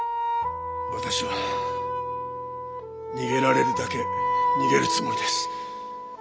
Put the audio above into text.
私は逃げられるだけ逃げるつもりです。